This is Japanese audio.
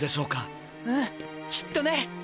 うんきっとね！